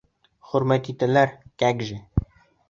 Хөрмәт итәләр, кәк же...